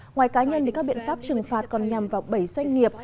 ngoài cá nhân các biện pháp trừng phạt còn nhằm vào bảy doanh nghiệp